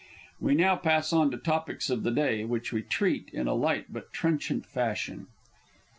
_) (_We now pass on to Topics of the Day, which we treat in a light but trenchant fashion.